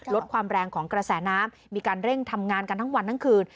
ลดความแรงของกระแสน้ำมีการเร่งทำงานกันทั้งวันทั้งคืน